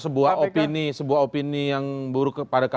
membentuk sebuah opini yang buruk kepada kpk